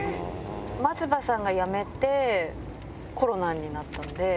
松葉さんが辞めて、コロナになったんで。